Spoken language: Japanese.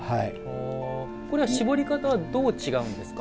これは絞り方はどう違うんですか？